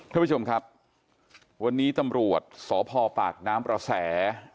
ท่านผู้ชมครับวันนี้ตำรวจสพปากน้ำประแส